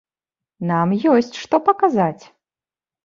Нам ёсць што паказаць.